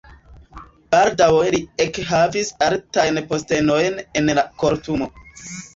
Baldaŭe li ekhavis altajn postenojn en la kortumo.